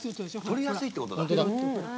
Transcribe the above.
取りやすいってことだ。